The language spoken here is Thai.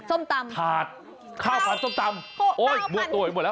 ส้มตำถาดข้าวพันธุ์ส้มตำโอ๊ยบัวตัวอยู่หมดแล้ว